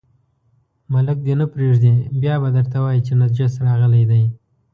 ملک دې نه پرېږدي، بیا به درته وایي چې نجس راغلی دی.